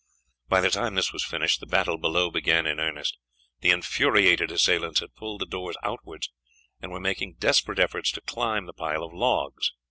By the time this was finished the battle below began in earnest. The infuriated assailants had pulled the doors outwards and were making desperate efforts to climb the pile of logs.